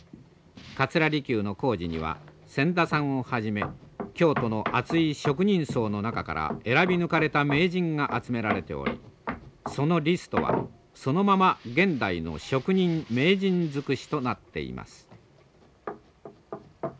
桂離宮の工事には千田さんをはじめ京都の厚い職人層の中から選び抜かれた名人が集められておりそのリストはそのまま現代の職人名人尽くしとなっています。